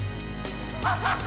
ハハハ！